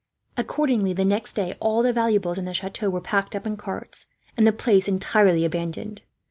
Accordingly, the next day all the valuables in the chateau were packed up in carts, and the place entirely abandoned.